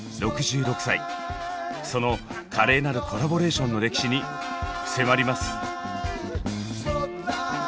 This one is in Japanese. その華麗なるコラボレーションの歴史に迫ります。